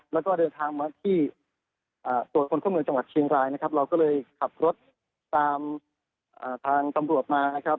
แล้วก็เดินทางมาที่ตรวจคนเข้าเมืองจังหวัดเชียงรายนะครับเราก็เลยขับรถตามทางตำรวจมานะครับ